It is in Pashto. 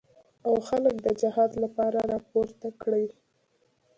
او خلک د جهاد لپاره راپورته کړي.